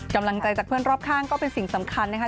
กำลังใจจากเพื่อนรอบข้างก็เป็นสิ่งสำคัญนะคะ